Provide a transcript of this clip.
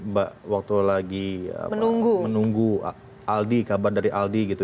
mbak waktu lagi menunggu aldi kabar dari aldi gitu